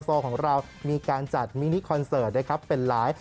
โซลของเรามีการจัดมินิคอนเสิร์ตเป็นไลฟ์